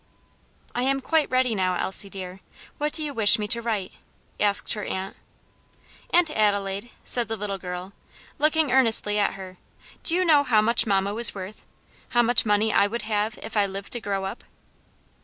"I am quite ready now, Elsie, dear. What do you wish me to write?" asked her aunt. "Aunt Adelaide," said the little girl, looking earnestly at her, "do you know how much mamma was worth? how much money I would have if I lived to grow up?"